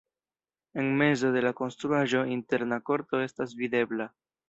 En mezo de la konstruaĵo interna korto estas videbla.